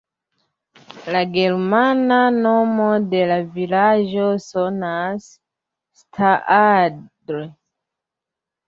La germana nomo de la vilaĝo sonas "Staadl".